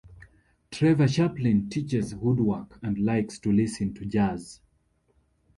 Trevor Chaplin teaches woodwork and likes to listen to jazz.